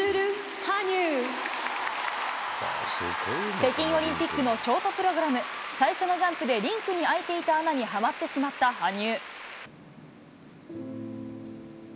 北京オリンピックのショートプログラム、最初のジャンプでリンクに開いていた穴にはまってしまった羽生。